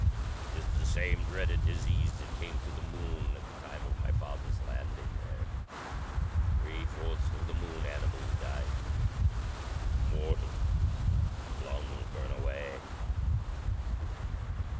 It is the same dreaded disease that came to the Moon at the time of my father's landing there. Three fourths of the Moon animals died. It is mortal. The lungs burn away.